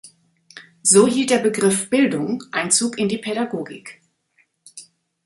So hielt der Begriff "Bildung" Einzug in die Pädagogik.